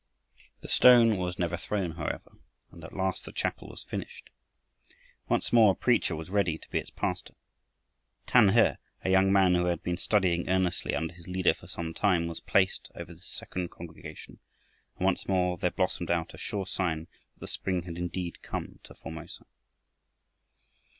This stone was never thrown, however, and at last the chapel was finished. Once more a preacher was ready to be its pastor. Tan He, a young man who had been studying earnestly under his leader for some time, was placed over this second congregation, and once more there blossomed out a sure sign that the spring had indeed come to north Formosa.